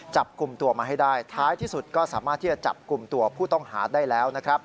จับกลุ่มตัวมาให้ได้ท้ายที่สุดก็สามารถที่จะจับกลุ่มตัวผู้ต้องหาได้แล้วนะครับ